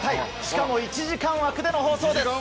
しかも１時間枠での放送です！